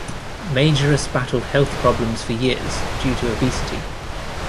Majerus battled health problems for years due to obesity.